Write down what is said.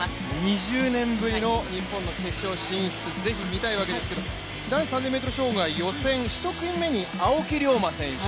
２０年ぶりの日本の決勝進出、是非見たいわけですけれども男子３０００ｍ障害予選１組目に青木涼真選手。